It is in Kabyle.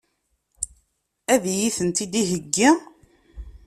Ad iyi-tent-id-iheggi?